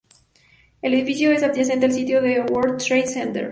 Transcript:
El edificio es adyacente al sitio del World Trade Center.